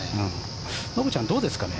信ちゃん、どうですかね